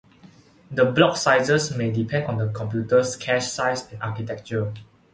The block sizes may depend on the computer's cache size and architecture.